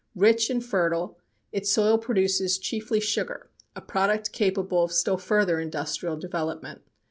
Rich and fertile, its soil produces chiefly sugar, a product capable of still further industrial development.